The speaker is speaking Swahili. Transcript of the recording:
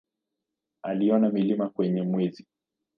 Aliona milima kwenye Mwezi.